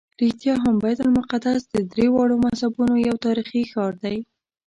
رښتیا هم بیت المقدس د درېواړو مذهبونو یو تاریخي ښار دی.